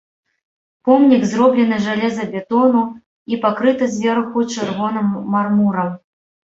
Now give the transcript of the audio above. Помнік зроблены жалезабетону і пакрыты зверху чырвоным мармурам.